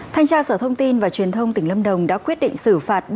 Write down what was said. thanh tra sở thông tin và truyền thông tỉnh lâm đồng đã quyết định xử phạt